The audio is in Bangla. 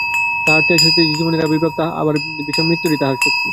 তাঁহার তেজ হইতেই জীবনের আবির্ভাব, আবার ভীষণ মৃত্যুও তাঁহারই শক্তি।